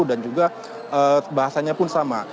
dan juga bahasanya pun sama